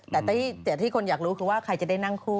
แต่ที่คนอยากรู้คือว่าใครจะได้นั่งคู่